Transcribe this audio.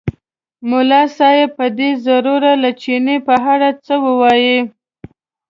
ملا صاحب به دی ضرور له چیني په اړه څه ووایي.